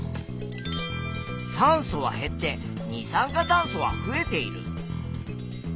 酸素は減って二酸化炭素は増えている。